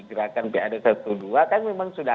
gerakan bad satu dua kan memang sudah